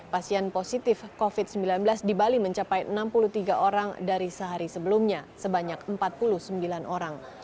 pasien positif covid sembilan belas di bali mencapai enam puluh tiga orang dari sehari sebelumnya sebanyak empat puluh sembilan orang